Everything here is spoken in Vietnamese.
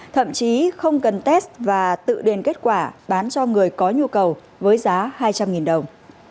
thậm chí không cần test và tự điền kết quả bán cho người có nhu cầu với giá hai trăm linh đồng